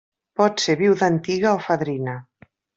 Pot ser viuda antiga o fadrina.